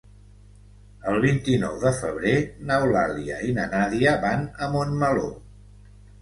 El vint-i-nou de febrer n'Eulàlia i na Nàdia van a Montmeló.